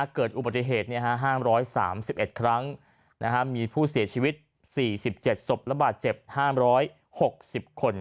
เกิดอุบัติเหตุ๕๓๑ครั้งมีผู้เสียชีวิต๔๗ศพและบาดเจ็บ๕๖๐คน